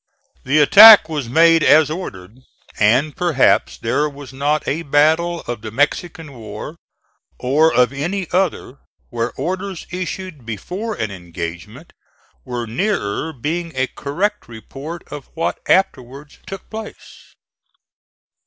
The attack was made as ordered, and perhaps there was not a battle of the Mexican war, or of any other, where orders issued before an engagement were nearer being a correct report of what afterwards took place.